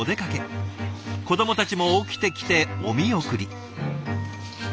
子どもたちも起きてきてお見送り。